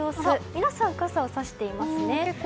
皆さん、傘をさしていますね。